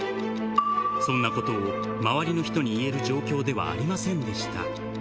そんなことを、周りの人に言える状況ではありませんでした。